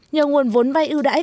nhờ nguồn vốn vay ưu đãi